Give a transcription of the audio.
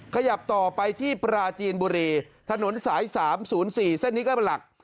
ขยับต่อไปที่ปราจีนบุรีถนนสาย๓๐๔เส้นนี้ก็เป็นหลัก